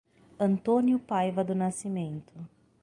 Antônio Paiva do Nascimento